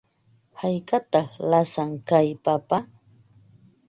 ¿Haykataq lasan kay papa?